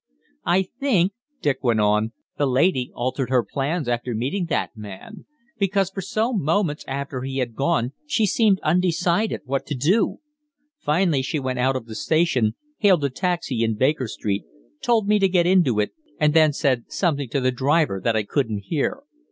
"I think," Dick went on, "the lady altered her plans after meeting that man; because for some moments after he had gone she seemed undecided what to do. Finally she went out of the station, hailed a taxi in Baker Street, told me to get into it, and then said something to the driver that I couldn't hear.